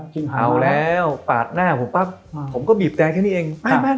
กูเผาแล้วปาดหน้าผมปั๊บผมก็บีบแต่แค่นี้เอง